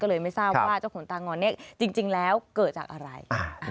ก็เลยไม่ทราบว่าเจ้าขนตางอนเนี่ยจริงแล้วเกิดจากอะไร